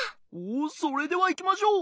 おおそれではいきましょう。